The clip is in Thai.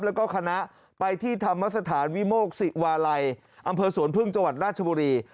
แล้วก็คณะไปที่ธรรมสถานวิโมกศิวาลัยอำเภอสวนพึ่งจังหวัดราชบุรี